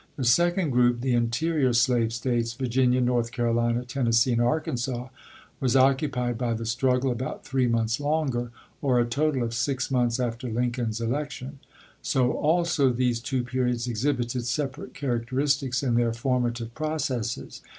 The second group, the interior slave States, Virginia, North Carolina, Tennessee, and Arkansas, was occupied by the struggle about 252 ABRAHAM LINCOLN Chap. XIII. three months longer, or a total of six months after Lincoln's election. So also these two periods ex hibited separate characteristics in their formative processes.